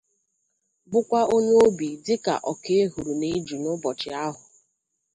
bụkwa onye obi dị kà ọkà e ghuru n'éjù ụbọchị ahụ